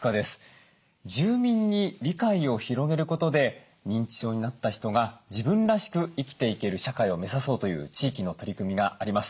住民に理解を広げることで認知症になった人が自分らしく生きていける社会を目指そうという地域の取り組みがあります。